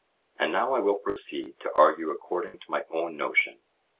And now I will proceed to argue according to my own notion.